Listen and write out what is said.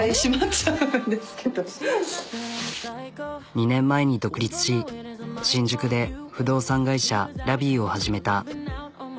２年前に独立し新宿で不動産会社ｒ−ａｖｉｅを始めた。